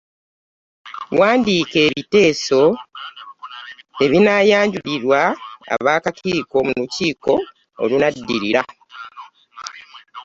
Wandiika ebiteeso ebinaayanjulirwa ab’akakiiko mu lukiiko olunaddirira.